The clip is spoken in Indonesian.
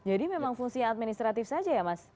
jadi memang fungsi administratif saja ya mas